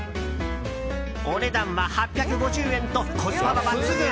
お値段は８５０円とコスパは抜群！